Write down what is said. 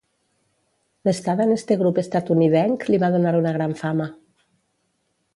L'estada en este grup estatunidenc li va donar una gran fama.